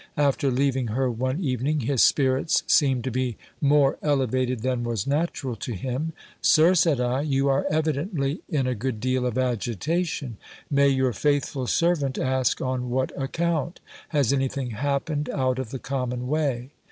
After leaving her one evening, his spirits seemed to be more elevated than was natural to him. Sir, said I, you are evidently in a good deal of agitation ; may your faithful scipias story. 383 servant ask on what account ? Has anything happened out of the common way